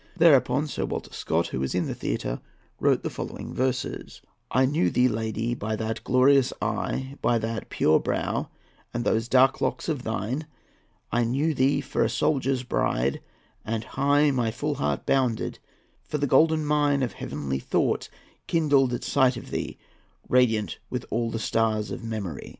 Thereupon Sir Walter Scott, who was in the theatre, wrote the following verses:— "I knew thee, lady, by that glorious eye, By that pure brow and those dark locks of thine, I knew thee for a soldier's bride, and high My full heart bounded: for the golden mine Of heavenly thought kindled at sight of thee, Radiant with all the stars of memory.